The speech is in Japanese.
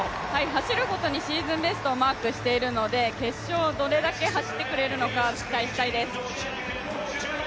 走るごとにシーズンベストをマークしているので決勝どれだけ走ってくれるのか期待したいです。